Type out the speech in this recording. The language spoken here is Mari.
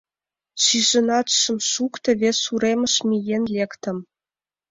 Шижынат шым шукто, вес уремыш миен лектым.